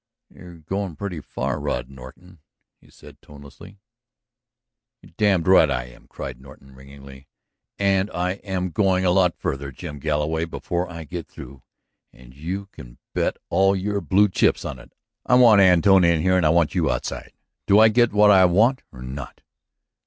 "You're going pretty far, Rod Norton," he said tonelessly. "You're damned right I am!" cried Norton ringingly. "And I am going a lot further, Jim Galloway, before I get through, and you can bet all of your blue chips on it. I want Antone in here and I want you outside! Do I get what I want or not?"